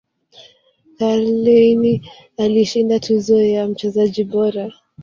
Karlheine alishinda tuzo ya mchezaji bora